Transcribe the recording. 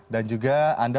dan juga anda